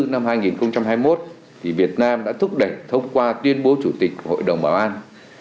năm hai nghìn hai mươi một việt nam đã thúc đẩy thông qua tuyên bố chủ tịch hội đồng bảo an